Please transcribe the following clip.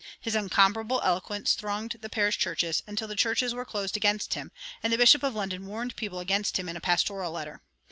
His incomparable eloquence thronged the parish churches, until the churches were closed against him, and the Bishop of London warned the people against him in a pastoral letter.